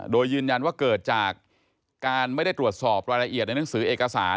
โดยยืนยันว่าเกิดจากการไม่ได้ตรวจสอบรายละเอียดในหนังสือเอกสาร